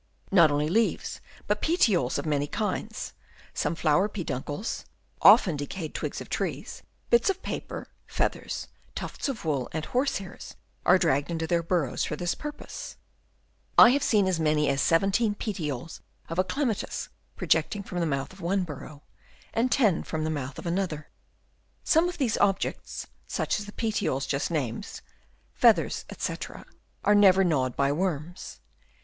Not only leaves, but petioles of many kinds, some flower pedun cles, often decayed twigs of trees, bits of paper, feathers, tufts of wool and horse hairs are dragged into their burrows for this pur pose. I have seen as many as seventeen petioles of a Clematis projecting from the mouth of one burrow, and ten from the Chap. II. PROTECTION OF THEIR BURROWS. 61 mouth of another. Some of these objects, such as the petioles just named, feathers, &c, are never gnawed by worms.